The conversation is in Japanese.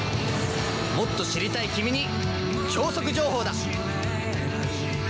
もっと知りたいキミに超速情報だ！